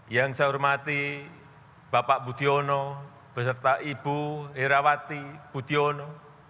yang saya hormati bapak budiono beserta ibu herawati budiono